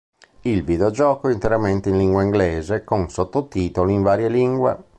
Il videogioco è interamente in lingua inglese con sottotitoli in varie lingue.